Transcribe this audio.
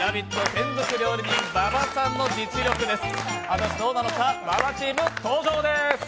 専属料理人、馬場さんの実力です。